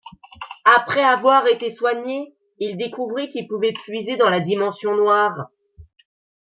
Après avoir été soigné, il découvrit qu'il pouvait puiser dans la Dimension Noire.